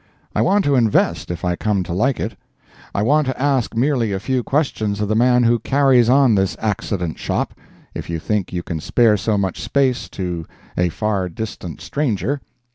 I want to invest if I come to like it. I want to ask merely a few questions of the man who carries on this Accident shop, if you think you can spare so much space to a far distant stranger.